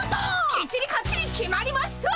きっちりかっちり決まりました！